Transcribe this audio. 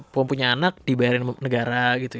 mau punya anak dibayarin negara gitu